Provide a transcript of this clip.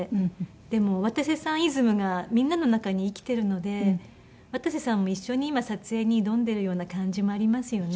でも渡瀬さんイズムがみんなの中に生きてるので渡瀬さんも一緒に今撮影に挑んでるような感じもありますよね。